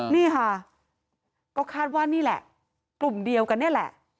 นี่ค่ะก็คาดว่านี่แหละกลุ่มเดียวกันนี่แหละ